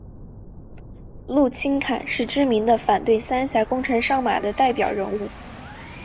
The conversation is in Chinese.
陆钦侃是知名的反对三峡工程上马的代表人物。